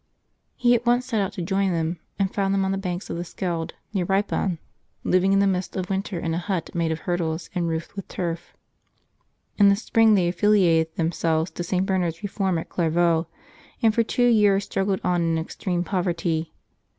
He at once set out to join them, and found them on the banks of the Skeld, near Eipon, living in the midst of winter in a hut made of hurdles and roofed with turf. In the spring they affiliated themselves to St. Bernard's reform at Clairvaux, and for two years struggled on in extreme poverty.